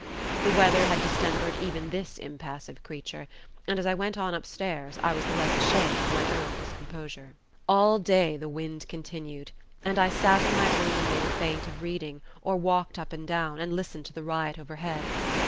The weather had distempered even this impassive creature; and as I went on upstairs I was the less ashamed of my own discomposure. All day the wind continued; and I sat in my room and made a feint of reading, or walked up and down, and listened to the riot overhead.